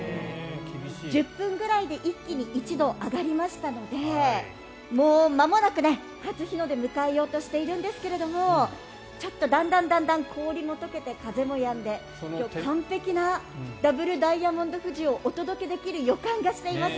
１０分ぐらいで一気に１度上がりましたのでもうまもなく初日の出を迎えようとしているんですがちょっとだんだん氷も解けて風もやんで完璧なダブルダイヤモンド富士をお届けできる予感がしています。